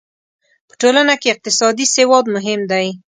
په ټولنه کې اقتصادي سواد مهم دی.